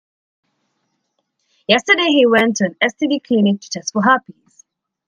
Yesterday, he went to an STD clinic to test for herpes.